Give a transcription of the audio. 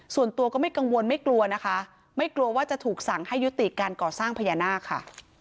ส่วนตัวก็ไม่กังวลไม่กลัวนะคะไม่กลัวว่าจะถูกสั่งให้ยุติการก่อสร้างพญานาคค่ะ